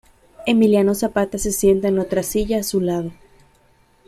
Emiliano Zapata que se sienta en otra silla a su lado.